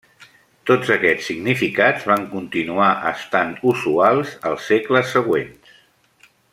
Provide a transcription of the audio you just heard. Tots aquests significats van continuar estant usuals als segles següents.